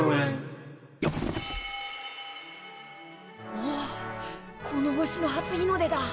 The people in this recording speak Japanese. おおっこの星の初日の出だ。